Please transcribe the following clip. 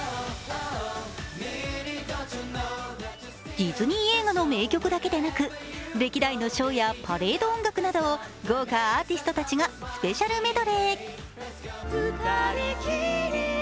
ディズニー映画の名曲だけでなく、歴代のショーやパレード音楽などを豪華アーティストたちがスペシャルメドレー。